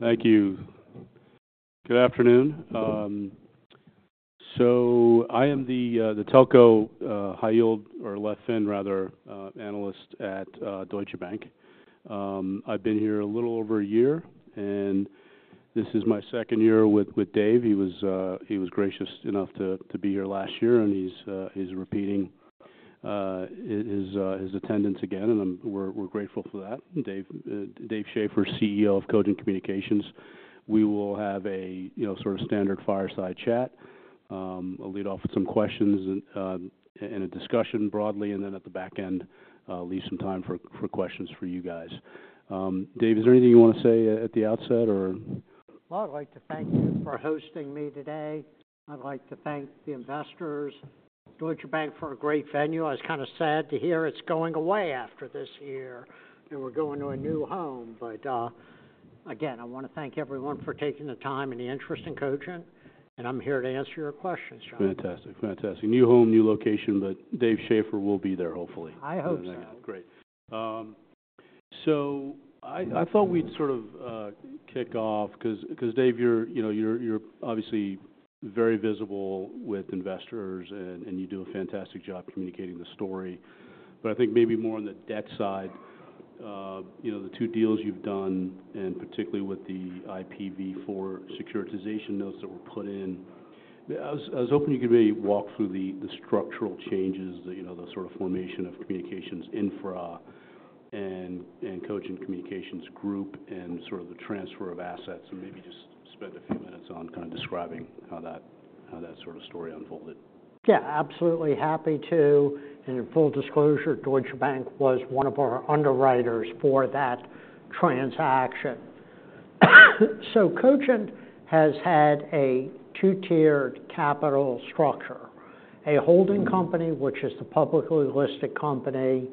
Thank you. Good afternoon. So I am the telco high yield or LevFin, rather, analyst at Deutsche Bank. I've been here a little over a year, and this is my second year with Dave. He was gracious enough to be here last year, and he's repeating his attendance again, and we're grateful for that. Dave, Dave Schaeffer, CEO of Cogent Communications. We will have a, you know, sort of standard fireside chat. I'll lead off with some questions and a discussion broadly, and then at the back end, leave some time for questions for you guys. Dave, is there anything you want to say at the outset, or? I'd like to thank you for hosting me today. I'd like to thank the investors, Deutsche Bank, for a great venue. I was kind of sad to hear it's going away after this year, and we're going to a new home. But, again, I want to thank everyone for taking the time and the interest in Cogent, and I'm here to answer your questions. Fantastic. Fantastic. New home, new location. But Dave Schaeffer will be there, hopefully. I hope so. Great. So I thought we'd sort of kick off because, Dave, you're, you know, you're obviously very visible with investors, and you do a fantastic job communicating the story. But I think maybe more on the debt side, you know, the two deals you've done, and particularly with the IPv4 securitization notes that were put in. I was hoping you could maybe walk through the structural changes, you know, the sort of formation of Cogent Infrastructure and Cogent Communications Group and sort of the transfer of assets, and maybe just spend a few minutes on kind of describing how that sort of story unfolded. Yeah, absolutely, happy to, and in full disclosure, Deutsche Bank was one of our underwriters for that transaction. So Cogent has had a two-tiered capital structure, a holding company, which is the publicly listed company,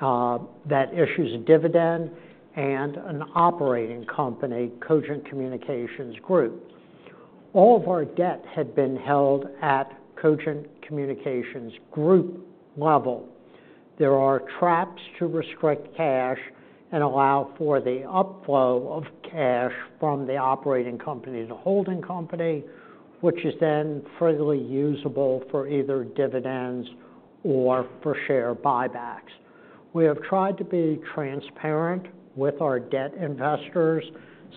that issues a dividend and an operating company, Cogent Communications Group. All of our debt had been held at Cogent Communications Group level. There are tranches to restrict cash and allow for the upflow of cash from the operating company to the holding company, which is then freely usable for either dividends or for share buybacks. We have tried to be transparent with our debt investors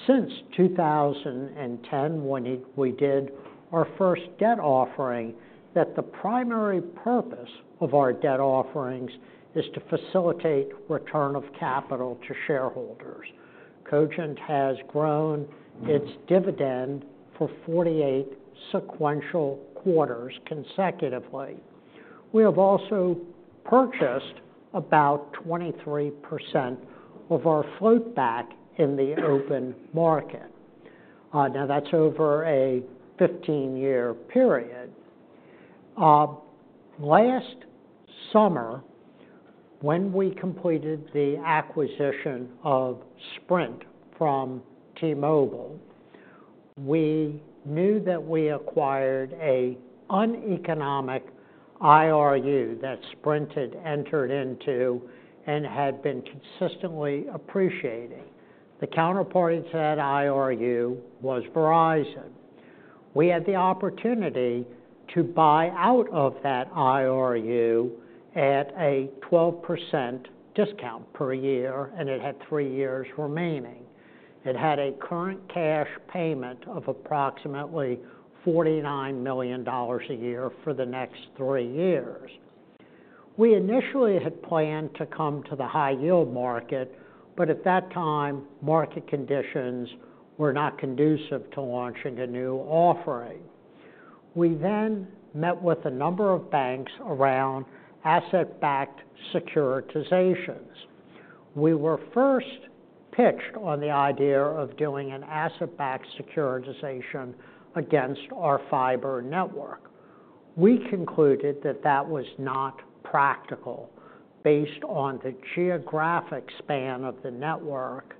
since two thousand and ten, when we did our first debt offering, that the primary purpose of our debt offerings is to facilitate return of capital to shareholders. Cogent has grown its dividend for 48 sequential quarters consecutively. We have also purchased about 23% of our float back in the open market. Now, that's over a 15-year period. Last summer, when we completed the acquisition of Sprint from T-Mobile, we knew that we acquired a uneconomic IRU that Sprint had entered into and had been consistently appreciating. The counterparty to that IRU was Verizon. We had the opportunity to buy out of that IRU at a 12% discount per year, and it had three years remaining. It had a current cash payment of approximately $49 million a year for the next three years. We initially had planned to come to the high yield market, but at that time, market conditions were not conducive to launching a new offering. We then met with a number of banks around asset-backed securitizations. We were first pitched on the idea of doing an asset-backed securitization against our fiber network. We concluded that that was not practical. Based on the geographic span of the network,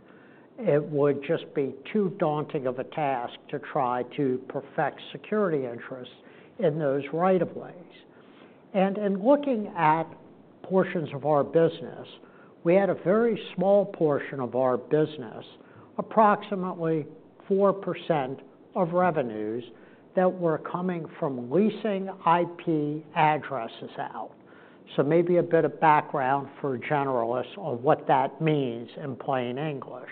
it would just be too daunting of a task to try to perfect security interests in those rights of way. And in looking at portions of our business, we had a very small portion of our business, approximately 4% of revenues, that were coming from leasing IP addresses out. So maybe a bit of background for generalists on what that means in plain English.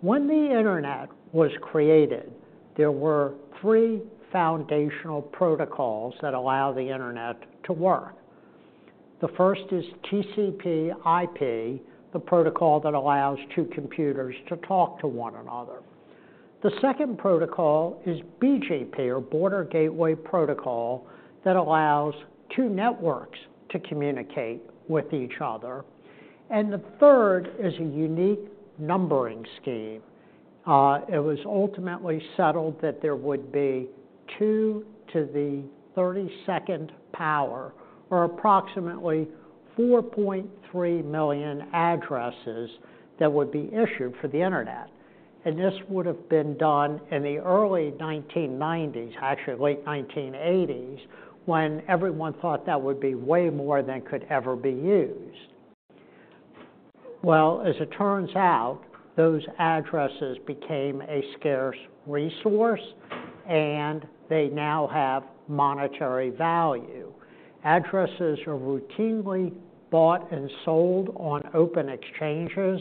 When the internet was created, there were three foundational protocols that allow the internet to work. The first is TCP/IP, the protocol that allows two computers to talk to one another. The second protocol is BGP, or Border Gateway Protocol, that allows two networks to communicate with each other, and the third is a unique numbering scheme. It was ultimately settled that there would be two to the 32nd power, or approximately 4.3 million addresses, that would be issued for the Internet. And this would have been done in the early 1990s, actually late 1980s, when everyone thought that would be way more than could ever be used.... Well, as it turns out, those addresses became a scarce resource, and they now have monetary value. Addresses are routinely bought and sold on open exchanges.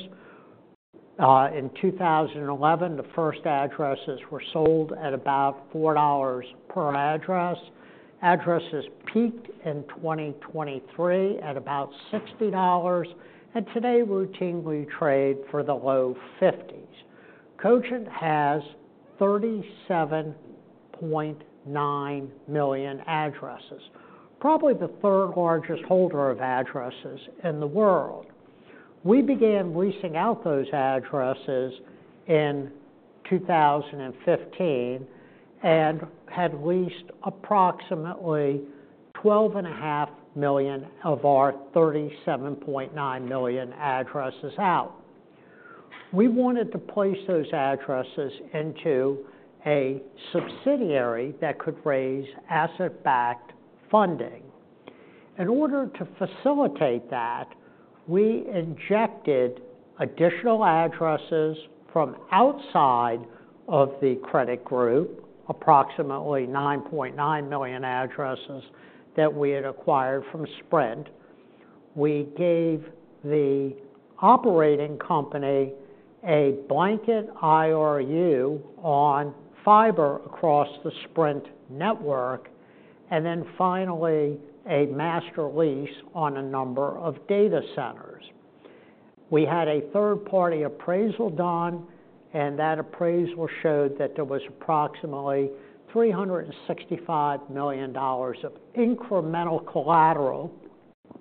In 2011, the first addresses were sold at about $4 per address. Addresses peaked in 2023 at about $60, and today routinely trade for the low $50s. Cogent has 37.9 million addresses, probably the third largest holder of addresses in the world. We began leasing out those addresses in 2015, and had leased approximately 12.5 million of our 37.9 million addresses out. We wanted to place those addresses into a subsidiary that could raise asset-backed funding. In order to facilitate that, we injected additional addresses from outside of the credit group, approximately 9.9 million addresses, that we had acquired from Sprint. We gave the operating company a blanket IRU on fiber across the Sprint network, and then finally, a master lease on a number of data centers. We had a third-party appraisal done, and that appraisal showed that there was approximately $365 million of incremental collateral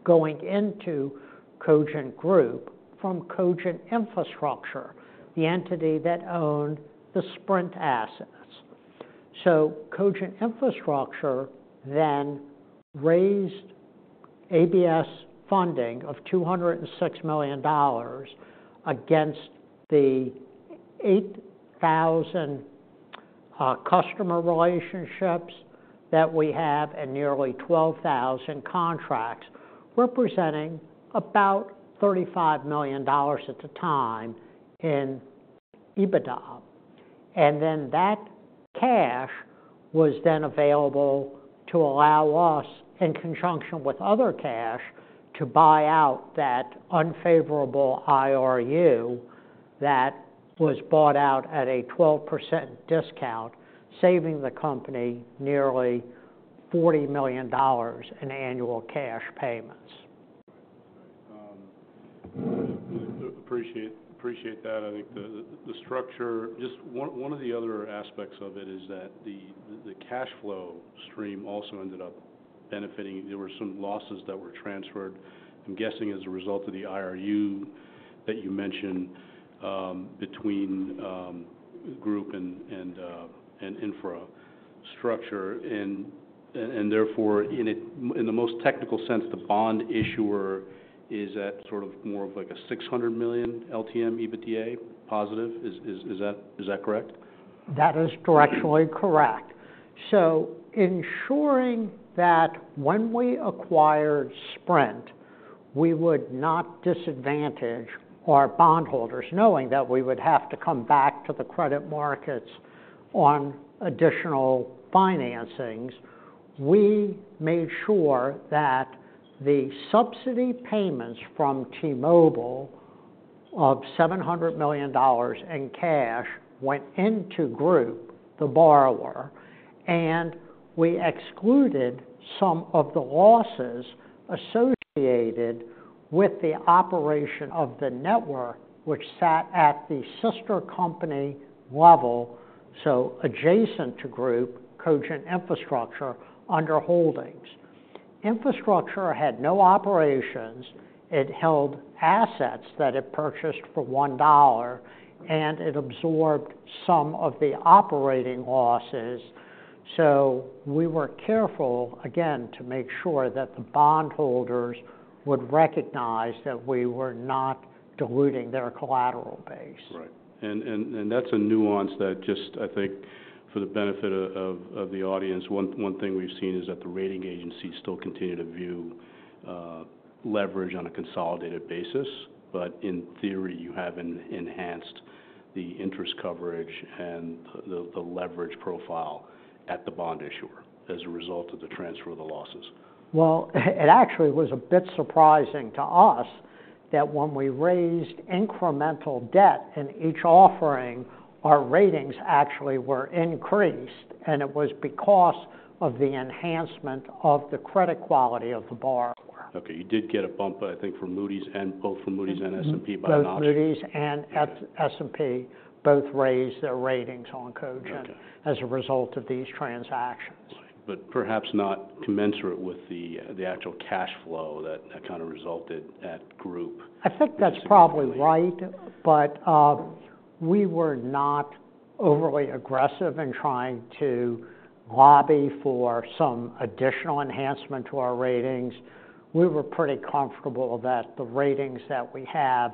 going into Cogent Group from Cogent Infrastructure, the entity that owned the Sprint assets. Cogent Infrastructure then raised ABS funding of $206 million against the 8,000 customer relationships that we have, and nearly 12,000 contracts, representing about $35 million at the time in EBITDA. Then that cash was then available to allow us, in conjunction with other cash, to buy out that unfavorable IRU that was bought out at a 12% discount, saving the company nearly $40 million in annual cash payments. Appreciate that. I think the structure, just one of the other aspects of it is that the cash flow stream also ended up benefiting. There were some losses that were transferred, I'm guessing, as a result of the IRU that you mentioned, between group and infrastructure. And therefore, in the most technical sense, the bond issuer is at sort of more of like a $600 million LTM EBITDA positive. Is that correct? That is directly correct. So ensuring that when we acquired Sprint, we would not disadvantage our bondholders, knowing that we would have to come back to the credit markets on additional financings. We made sure that the subsidy payments from T-Mobile, of $700 million in cash, went into Group, the borrower, and we excluded some of the losses associated with the operation of the network, which sat at the sister company level, so adjacent to Group, Cogent Infrastructure, under holdings. Infrastructure had no operations. It held assets that it purchased for $1, and it absorbed some of the operating losses. So we were careful, again, to make sure that the bondholders would recognize that we were not diluting their collateral base. Right. And that's a nuance that just, I think, for the benefit of the audience, one thing we've seen is that the rating agencies still continue to view leverage on a consolidated basis. But in theory, you have enhanced the interest coverage and the leverage profile at the bond issuer as a result of the transfer of the losses. It actually was a bit surprising to us that when we raised incremental debt in each offering, our ratings actually were increased, and it was because of the enhancement of the credit quality of the borrower. Okay, you did get a bump, I think, from Moody's and both from Moody's and S&P by- Both Moody's and S&P both raised their ratings on Cogent. Okay... as a result of these transactions. Right, but perhaps not commensurate with the actual cash flow that kind of resulted at Group. I think that's probably right, but, we were not overly aggressive in trying to lobby for some additional enhancement to our ratings. We were pretty comfortable that the ratings that we have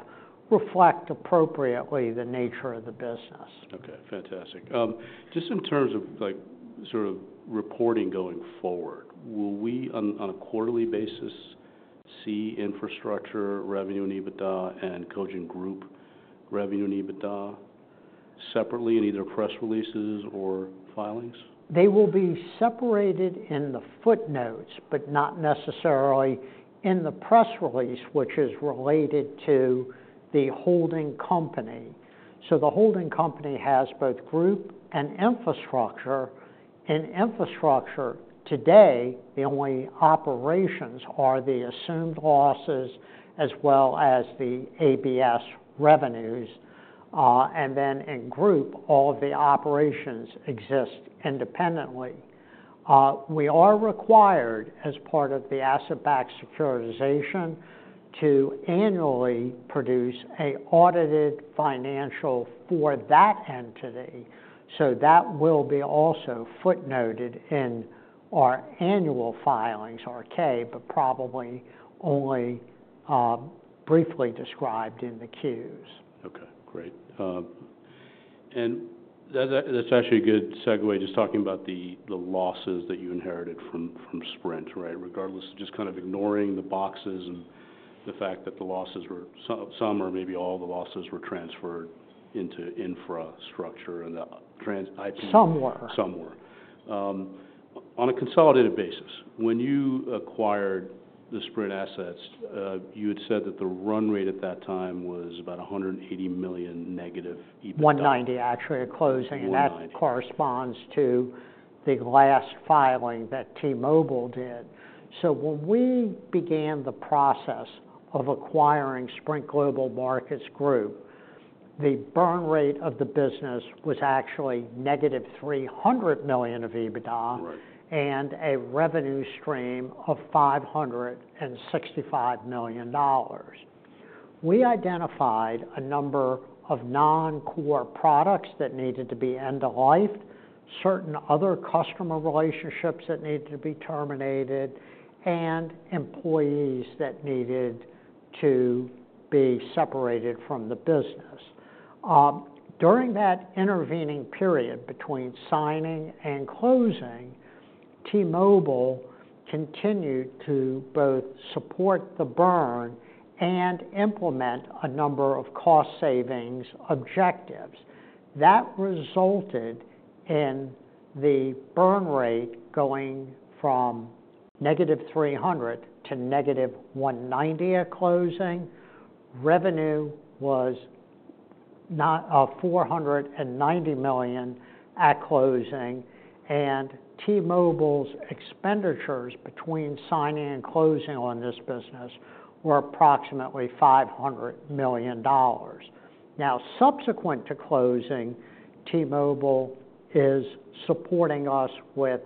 reflect appropriately the nature of the business. Okay, fantastic. Just in terms of like, sort of reporting going forward, will we, on a quarterly basis, see infrastructure revenue and EBITDA, and Cogent Group revenue and EBITDA separately in either press releases or filings? They will be separated in the footnotes, but not necessarily in the press release, which is related to the holding company. So the holding company has both group and infrastructure. In infrastructure, today, the only operations are the assumed losses as well as the ABS revenues. And then in group, all of the operations exist independently. We are required, as part of the asset-backed securitization, to annually produce an audited financial for that entity, so that will also be footnoted in our annual filings, our 10-K, but probably only briefly described in the 10-Qs. Okay, great. And that, that's actually a good segue, just talking about the losses that you inherited from Sprint, right? Regardless, just kind of ignoring the boxes and the fact that some or maybe all the losses were transferred into infrastructure and transit IP. Some were. Some were. On a consolidated basis, when you acquired the Sprint assets, you had said that the run rate at that time was about $180 million negative EBITDA. $190 million, actually, at closing- $190 million. And that corresponds to the last filing that T-Mobile did. So when we began the process of acquiring Sprint Global Markets Group, the burn rate of the business was actually -$300 million of EBITDA. Right... and a revenue stream of $565 million. We identified a number of non-core products that needed to be end-of-lifed, certain other customer relationships that needed to be terminated, and employees that needed to be separated from the business. During that intervening period between signing and closing, T-Mobile continued to both support the burn and implement a number of cost savings objectives. That resulted in the burn rate going from -$300 million to -$190 million at closing. Revenue was not $490 million at closing, and T-Mobile's expenditures between signing and closing on this business were approximately $500 million. Now, subsequent to closing, T-Mobile is supporting us with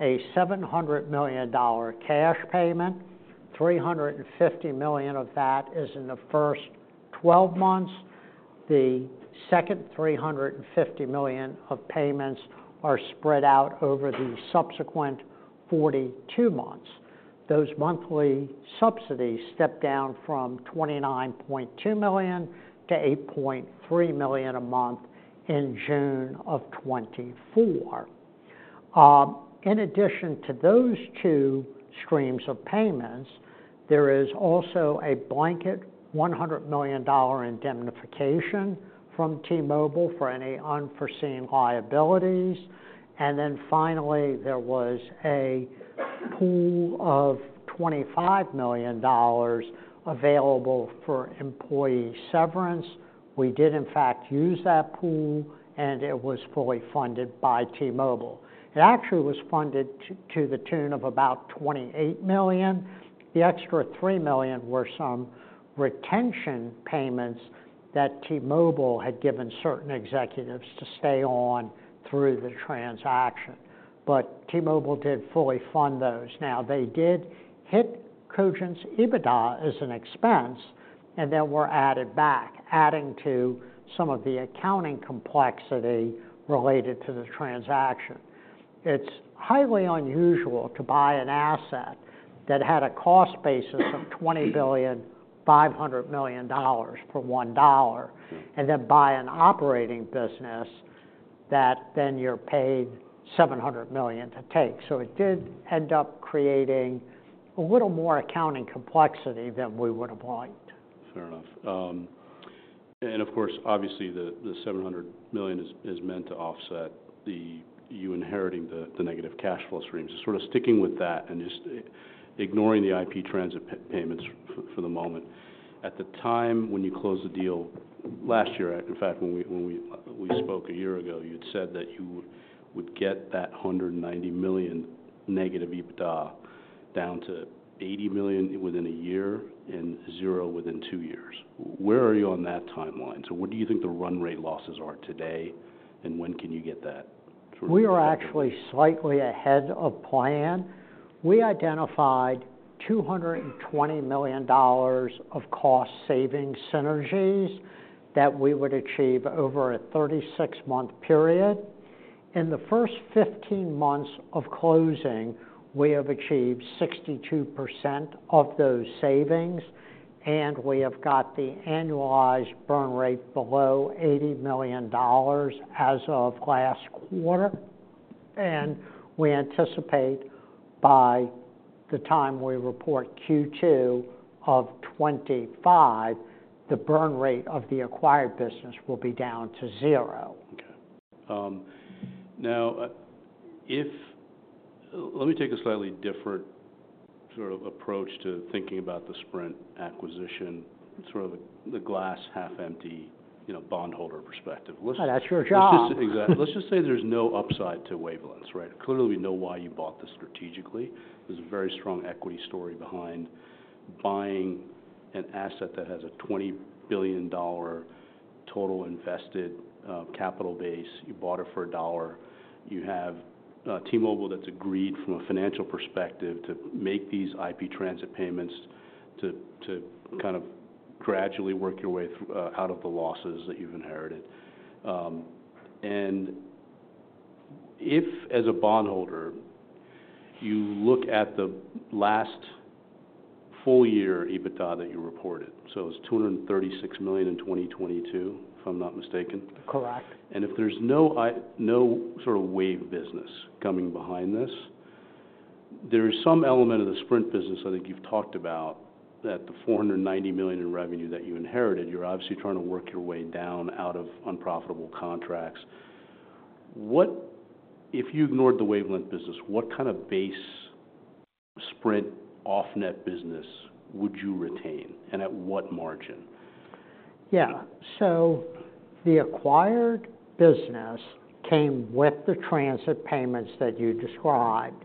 a $700 million cash payment. $350 million of that is in the first twelve months. The second $350 million of payments are spread out over the subsequent 42 months. Those monthly subsidies step down from $29.2 million-$8.3 million a month in June of 2024. In addition to those two streams of payments, there is also a blanket $100 million dollar indemnification from T-Mobile for any unforeseen liabilities. Then finally, there was a pool of $25 million dollars available for employee severance. We did, in fact, use that pool, and it was fully funded by T-Mobile. It actually was funded to the tune of about $28 million. The extra $3 million were some retention payments that T-Mobile had given certain executives to stay on through the transaction, but T-Mobile did fully fund those. Now, they did hit Cogent's EBITDA as an expense, and then were added back, adding to some of the accounting complexity related to the transaction. It's highly unusual to buy an asset that had a cost basis of $20.5 billion for $1, and then buy an operating business that then you're paid $700 million to take. So it did end up creating a little more accounting complexity than we would have liked. Fair enough. And of course, obviously, the $700 million is meant to offset the you inheriting the negative cash flow streams. Just sort of sticking with that and just ignoring the IP transit payments for the moment, at the time when you closed the deal last year, in fact, when we spoke a year ago, you had said that you would get that $190 million negative EBITDA down to $80 million within a year and $0 within two years. Where are you on that timeline? So what do you think the run rate losses are today, and when can you get that sort of- We are actually slightly ahead of plan. We identified $220 million of cost savings synergies that we would achieve over a 36-month period. In the first 15 months of closing, we have achieved 62% of those savings, and we have got the annualized burn rate below $80 million as of last quarter, and we anticipate by the time we report Q2 of 2025, the burn rate of the acquired business will be down to zero. Okay. Now, let me take a slightly different sort of approach to thinking about the Sprint acquisition, sort of the glass half empty, you know, bondholder perspective. Let's- That's your job. Exactly. Let's just say there's no upside to wavelengths, right? Clearly, we know why you bought this strategically. There's a very strong equity story behind buying an asset that has a $20 billion total invested capital base. You bought it for $1. You have T-Mobile that's agreed from a financial perspective to make these IP transit payments to kind of gradually work your way out of the losses that you've inherited. And if, as a bondholder, you look at the last full year EBITDA that you reported, so it's $236 million in 2022, if I'm not mistaken? Correct. If there's no sort of Wavelength business coming behind this, there is some element of the Sprint business I think you've talked about, that the $490 million in revenue that you inherited, you're obviously trying to work your way down out of unprofitable contracts. What if you ignored the Wavelength business, what kind of base Sprint off-net business would you retain, and at what margin? The acquired business came with the transit payments that you described.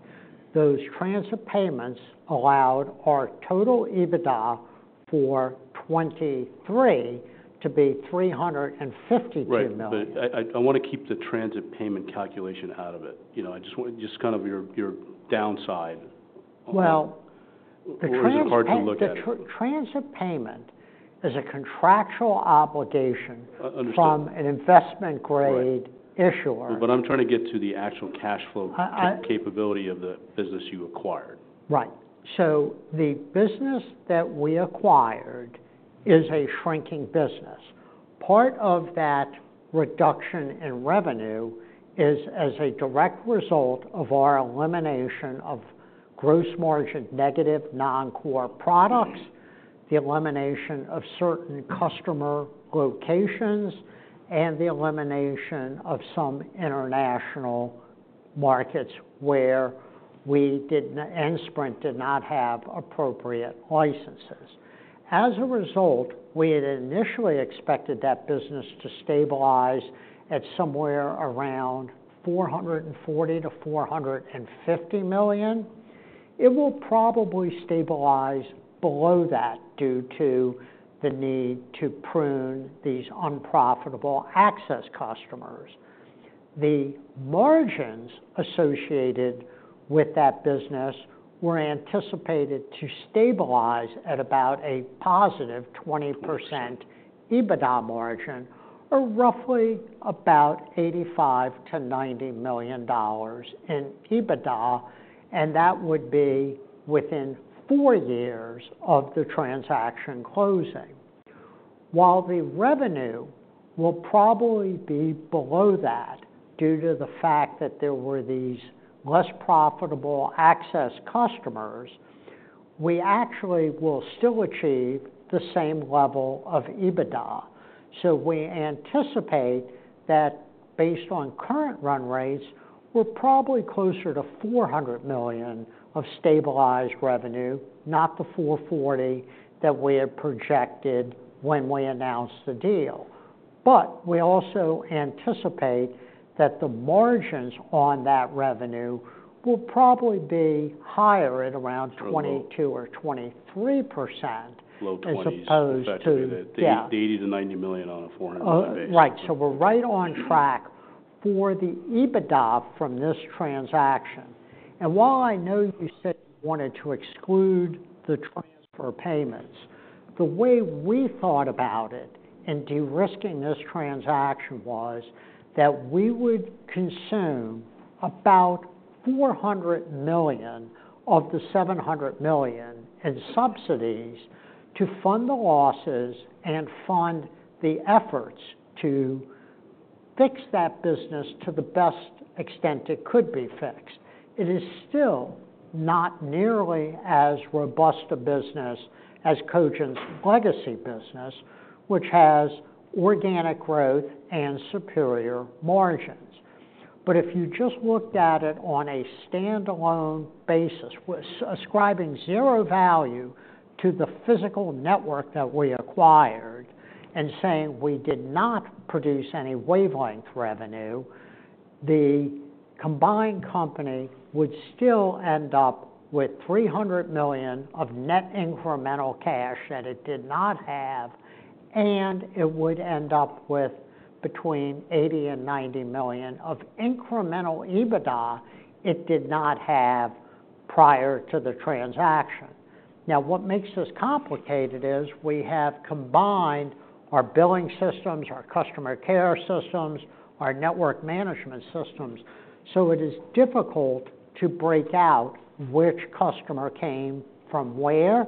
Those transit payments allowed our total EBITDA for 2023 to be $352 million. Right, but I wanna keep the transit payment calculation out of it. You know, I just want kind of your downside. The transit- Or is it hard to look at it? The transit payment is a contractual obligation- Understood... from an investment-grade- Right - issuer. But I'm trying to get to the actual cash flow capability of the business you acquired. Right. So the business that we acquired is a shrinking business. Part of that reduction in revenue is as a direct result of our elimination of gross margin negative non-core products, the elimination of certain customer locations, and the elimination of some international markets where we did not and Sprint did not have appropriate licenses. As a result, we had initially expected that business to stabilize at somewhere around $440 million-$450 million. It will probably stabilize below that due to the need to prune these unprofitable access customers. The margins associated with that business were anticipated to stabilize at about a positive 20% EBITDA margin, or roughly about $85 million-$90 million in EBITDA, and that would be within four years of the transaction closing. While the revenue will probably be below that, due to the fact that there were these less profitable access customers, we actually will still achieve the same level of EBITDA. So we anticipate that based on current run rates, we're probably closer to $400 million of stabilized revenue, not the $440 million that we had projected when we announced the deal. But we also anticipate that the margins on that revenue will probably be higher at around- So low. 22% or 23% Low 20s. As opposed to, yeah- The $80 million-$90 million on a $400 million base. Right. So we're right on track for the EBITDA from this transaction. And while I know you said you wanted to exclude the transfer payments, the way we thought about it in de-risking this transaction was that we would consume about $400 million of the $700 million in subsidies to fund the losses and fund the efforts to fix that business to the best extent it could be fixed. It is still not nearly as robust a business as Cogent's legacy business, which has organic growth and superior margins. But if you just looked at it on a standalone basis, with ascribing zero value to the physical network that we acquired and saying we did not produce any wavelength revenue, the combined company would still end up with $300 million of net incremental cash that it did not have, and it would end up with between $80 million and $90 million of incremental EBITDA it did not have prior to the transaction. Now, what makes this complicated is, we have combined our billing systems, our customer care systems, our network management systems, so it is difficult to break out which customer came from where.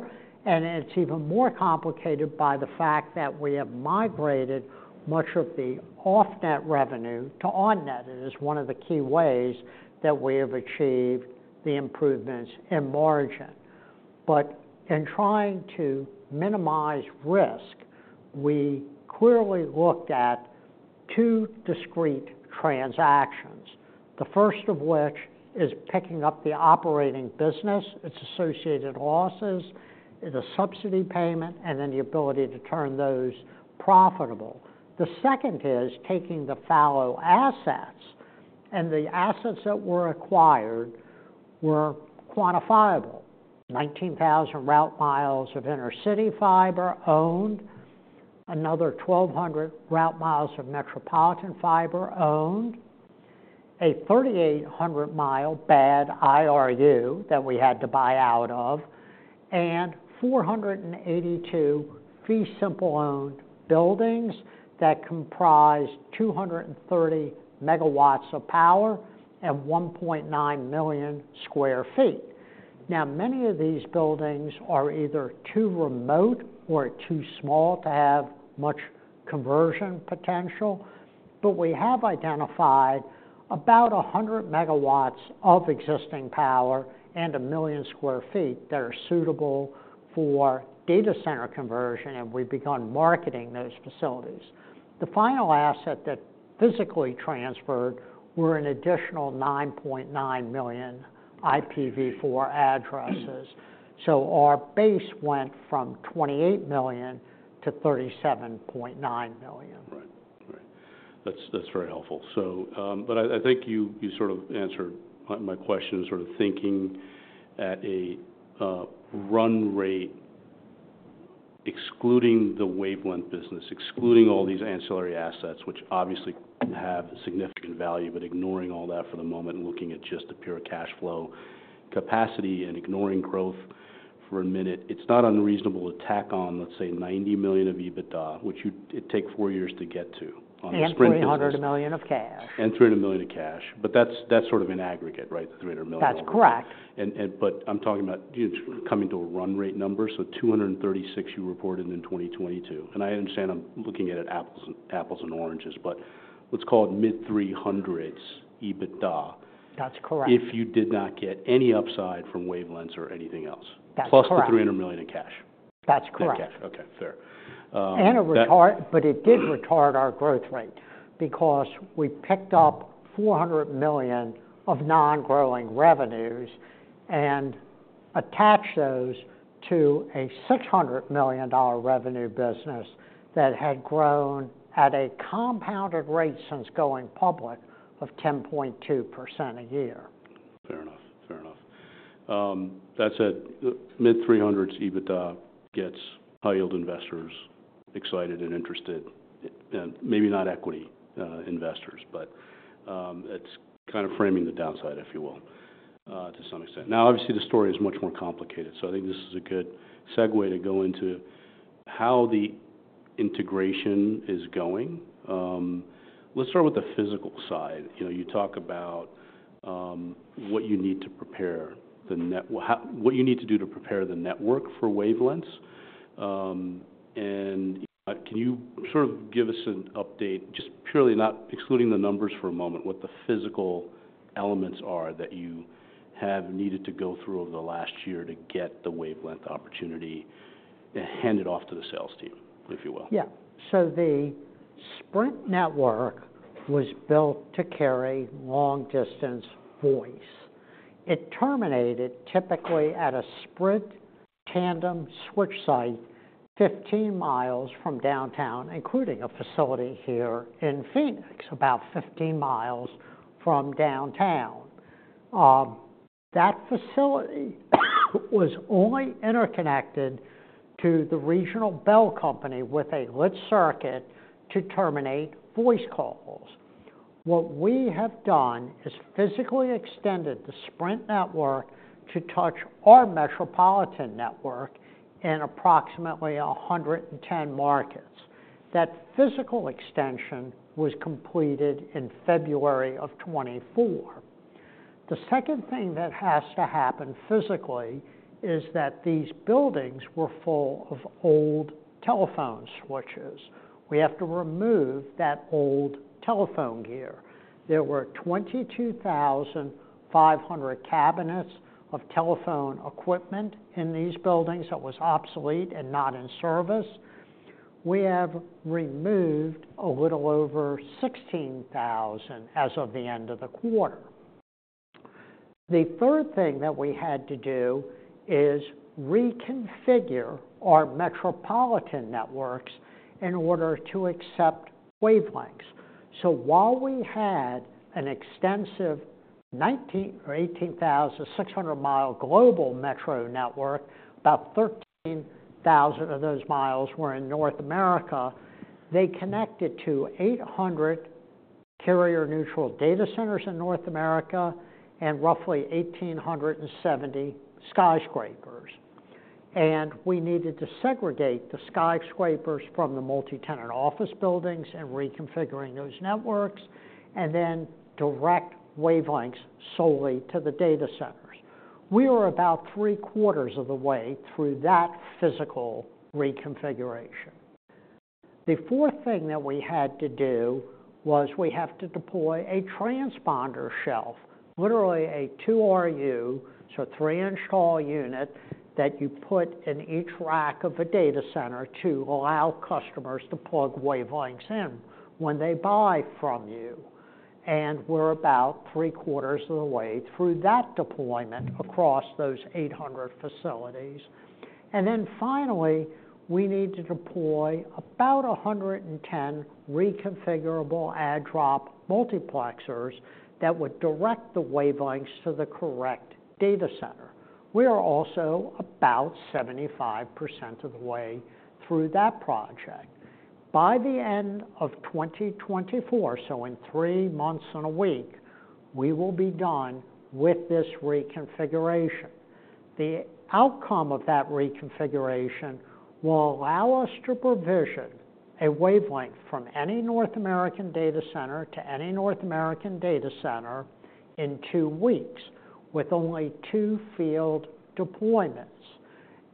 And it's even more complicated by the fact that we have migrated much of the off-net revenue to on-net. It is one of the key ways that we have achieved the improvements in margin.... But in trying to minimize risk, we clearly looked at two discrete transactions, the first of which is picking up the operating business, its associated losses, the subsidy payment, and then the ability to turn those profitable. The second is taking the fallow assets, and the assets that were acquired were quantifiable. 19,000 route mi of inner-city fiber owned, another 1,200 route mi of metropolitan fiber owned, a 3,800-mi bad IRU that we had to buy out of, and 482 fee simple owned buildings that comprise 230 MW of power and 1.9 million sq ft. Now, many of these buildings are either too remote or too small to have much conversion potential, but we have identified about 100 MW of existing power and 1 million sq ft that are suitable for data center conversion, and we've begun marketing those facilities. The final asset that physically transferred were an additional 9.9 million IPv4 addresses, so our base went from 28 million-37.9 million. Right. That's very helpful. So, but I think you sort of answered my question, sort of thinking at a run rate, excluding the Wavelength business, excluding all these ancillary assets, which obviously have significant value, but ignoring all that for the moment, and looking at just the pure cash flow capacity and ignoring growth for a minute, it's not unreasonable to tack on, let's say, $90 million of EBITDA, which it'd take four years to get to on the Sprint business. $300 million of cash. And $300 million of cash. But that's, that's sort of an aggregate, right? $300 million. That's correct. But I'm talking about just coming to a run rate number. So $236 million you reported in 2022, and I understand I'm looking at it apples and oranges, but let's call it mid-300s EBITDA- That's correct. if you did not get any upside from wavelengths or anything else. That's correct. Plus the $300 million in cash. That's correct. Okay, fair. It did retard our growth rate because we picked up $400 million of non-growing revenues and attached those to a $600 million revenue business that had grown at a compounded rate since going public of 10.2% a year. Fair enough. Fair enough. That said, mid 300s EBITDA gets high-yield investors excited and interested, maybe not equity investors, but it's kind of framing the downside, if you will, to some extent. Now, obviously, the story is much more complicated, so I think this is a good segue to go into how the integration is going. Let's start with the physical side. You know, you talk about what you need to do to prepare the network for wavelengths. And can you sort of give us an update, just purely excluding the numbers for a moment, what the physical elements are that you have needed to go through over the last year to get the Wavelength opportunity and hand it off to the sales team, if you will? Yeah. So the Sprint network was built to carry long-distance voice. It terminated typically at a Sprint tandem switch site, 15 mi from downtown, including a facility here in Phoenix, about 15 mi from downtown. That facility was only interconnected to the Regional Bell Company with a lit circuit to terminate voice calls. What we have done is physically extended the Sprint network to touch our metropolitan network in approximately 110 markets. That physical extension was completed in February of 2024. The second thing that has to happen physically is that these buildings were full of old telephone switches. We have to remove that old telephone gear. There were 22,500 cabinets of telephone equipment in these buildings that was obsolete and not in service. We have removed a little over 16,000 as of the end of the quarter. The third thing that we had to do is reconfigure our metropolitan networks in order to accept wavelengths. So while we had an extensive 19,000 mi or 18,600-mi global metro network, about 13,000 of those mi were in North America. They connected to 800 carrier-neutral data centers in North America and roughly 1,870 skyscrapers, and we needed to segregate the skyscrapers from the multi-tenant office buildings and reconfiguring those networks, and then direct wavelengths solely to the data centers. We are about three-quarters of the way through that physical reconfiguration. The fourth thing that we had to do was we have to deploy a transponder shelf, literally a 2RU, so a 3-inch tall unit, that you put in each rack of a data center to allow customers to plug wavelengths in when they buy from you. And we're about three-quarters of the way through that deployment across those 800 facilities. And then finally, we need to deploy about 110 reconfigurable add-drop multiplexers that would direct the wavelengths to the correct data center. We are also about 75% of the way through that project. By the end of 2024, so in three months and a week, we will be done with this reconfiguration. The outcome of that reconfiguration will allow us to provision a wavelength from any North American data center to any North American data center in two weeks, with only two field deployments.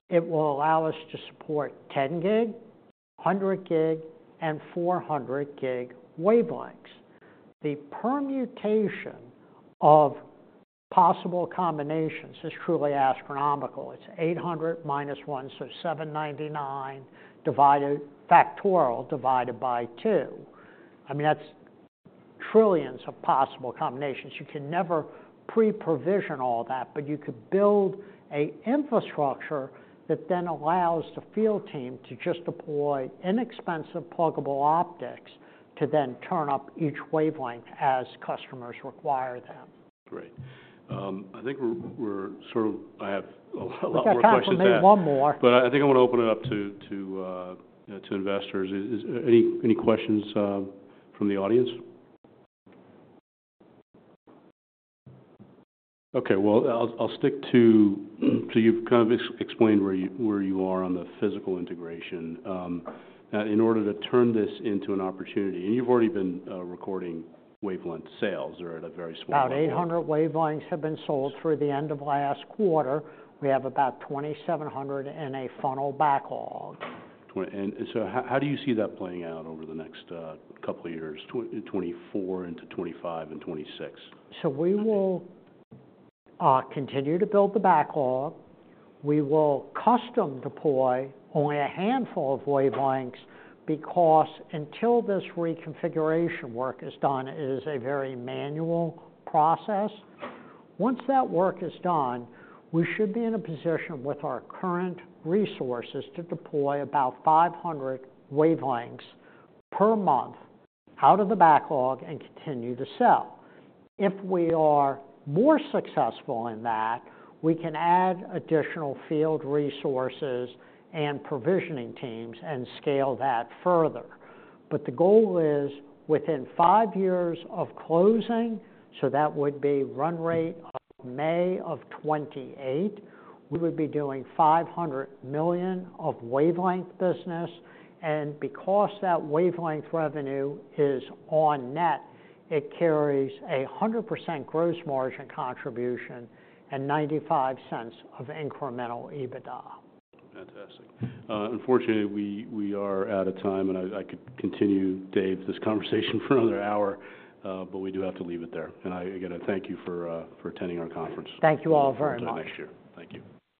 It will allow us to support 10 Gig, 100 Gig, and 400 Gig wavelengths. The permutation of possible combinations is truly astronomical. It's 800 - 1, so 799 divided - factorial, divided by 2. I mean, that's trillions of possible combinations. You can never pre-provision all that, but you could build an infrastructure that then allows the field team to just deploy inexpensive pluggable optics to then turn up each wavelength as customers require them. Great. I think we're sort of. I have a lot more questions to ask. I've got time for maybe one more. But I think I want to open it up to you know to investors. Any questions from the audience? Okay, well, I'll stick to. So you've kind of explained where you are on the physical integration. In order to turn this into an opportunity, and you've already been recording wavelength sales or at a very small level. About 800 wavelengths have been sold through the end of last quarter. We have about 2,700 in a funnel backlog. And so how do you see that playing out over the next couple of years, 2024 into 2025 and 2026? We will continue to build the backlog. We will custom deploy only a handful of wavelengths, because until this reconfiguration work is done, it is a very manual process. Once that work is done, we should be in a position with our current resources to deploy about 500 wavelengths per month out of the backlog and continue to sell. If we are more successful in that, we can add additional field resources and provisioning teams and scale that further. The goal is, within five years of closing, so that would be run rate of May of 2028, we would be doing $500 million of Wavelength business. Because that wavelength revenue is on net, it carries a 100% gross margin contribution and $0.95 of incremental EBITDA. Fantastic. Unfortunately, we are out of time, and I could continue, Dave, this conversation for another hour, but we do have to leave it there. And I again thank you for attending our conference. Thank you all very much. Until next year. Thank you.